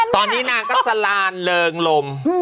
ตอนนี้นางก็สลานเริงลม